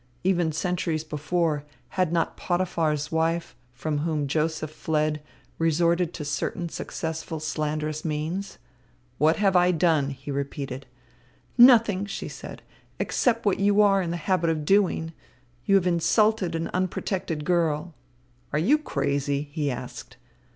Even centuries before, had not Potiphar's wife, from whom Joseph fled, resorted to certain successful slanderous means? "What have I done?" he repeated. "Nothing," she said, "except what you are in the habit of doing. You have insulted an unprotected girl." "Are you crazy?" he asked.